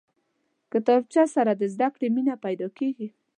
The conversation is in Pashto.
کتابچه سره د زده کړې مینه پیدا کېږي